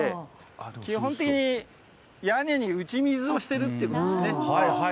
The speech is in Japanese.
基本的に屋根に打ち水をしてるっていうことですね。